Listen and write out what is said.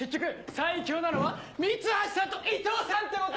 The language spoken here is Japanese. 最強なのは三橋さんと伊藤さんってこと！